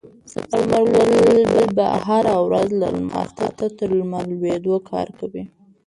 ثمرګل به هره ورځ له لمر خاته تر لمر لوېدو کار کوي.